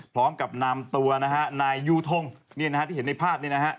พร้อมกับนามตัวนายยูทงที่เห็นในภาพนี้